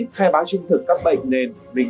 khai báo chung thực các bệnh nên mình